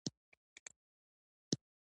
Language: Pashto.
هغوی ته سزا ورکړي.